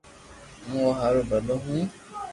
ھون او ھارو ڀلو ھون